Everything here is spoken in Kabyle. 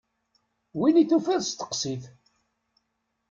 Win i tufiḍ steqsi-t!